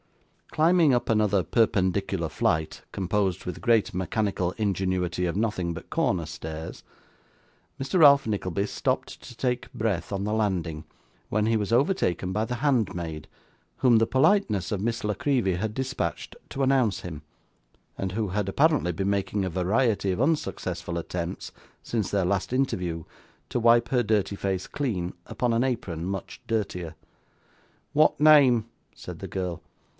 Climbing up another perpendicular flight, composed with great mechanical ingenuity of nothing but corner stairs, Mr. Ralph Nickleby stopped to take breath on the landing, when he was overtaken by the handmaid, whom the politeness of Miss La Creevy had dispatched to announce him, and who had apparently been making a variety of unsuccessful attempts, since their last interview, to wipe her dirty face clean, upon an apron much dirtier. 'What name?' said the girl.